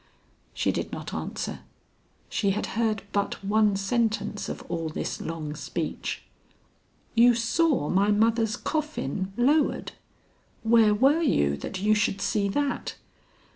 She did not answer. She had heard but one sentence of all this long speech. "You saw my mother's coffin lowered? Where were you that you should see that?